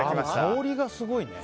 香りがすごいね。